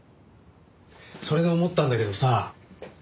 それで思ったんだけどさ